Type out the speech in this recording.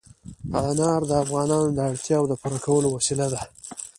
انار د افغانانو د اړتیاوو د پوره کولو وسیله ده.